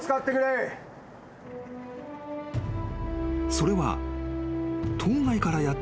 ［それは］